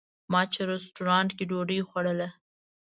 ما چې رسټورانټ کې ډوډۍ خوړله.